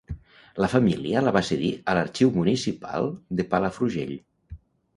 La família la va cedir a l'Arxiu Municipal de Palafrugell.